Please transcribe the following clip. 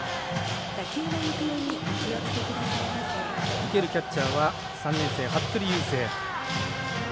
受けるキャッチャーは３年生の服部優成。